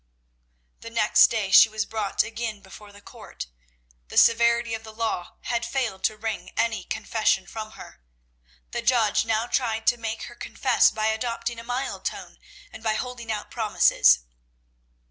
The next day she was brought again before the court. The severity of the law had failed to wring any confession from her. The judge now tried to make her confess by adopting a mild tone, and by holding out promises.